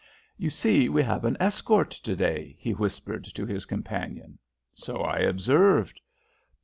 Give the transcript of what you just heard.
"You see we have an escort to day," he whispered to his companion. "So I observed."